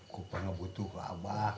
saya butuh abah